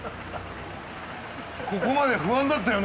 ここまで不安だったよね